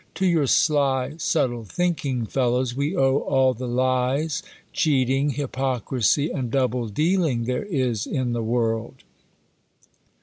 To your sly, subtle, thinking fellows, w^e owe all the lies, cheating, hypocrisy, and double dealing there is m the world.